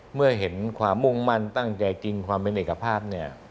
เมื่อเห็นความมุ่งมั่นตั้งใจจริงความเป็นเอกภาพเนี่ย